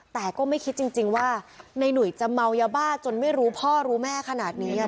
แต่ก็ไม่คิดจริงว่าในหนุ่ยจะเมายาบ้าจนไม่รู้พ่อรู้แม่ขนาดนี้